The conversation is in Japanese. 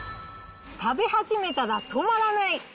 食べ始めたら止まらない。